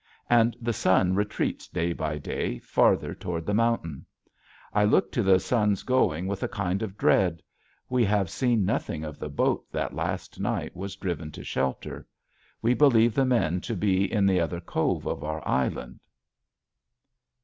And the sun retreats day by day farther toward the mountain. I look to the sun's going with a kind of dread. We have seen nothing of the boat that last night was driven to shelter. We believe the men to be in the other cove of our island.